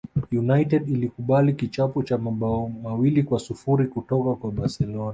united ilikubali kichapo cha mabao mawili kwa sifuri kutoka kwa barcelona